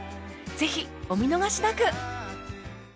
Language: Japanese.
ぜひお見逃しなく